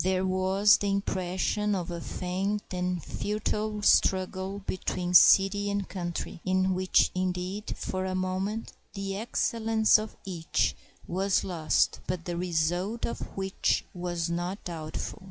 There was the impression of a faint and futile struggle between city and country, in which, indeed, for a moment the excellence of each was lost, but the result of which was not doubtful.